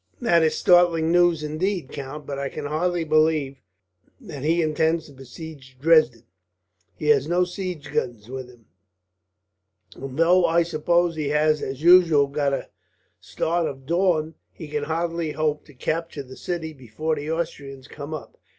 "That is startling news indeed, count; but I can hardly believe that he intends to besiege Dresden. He has no siege guns with him, and though, I suppose, he has as usual got a start of Daun, he can hardly hope to capture the city before the Austrians come up.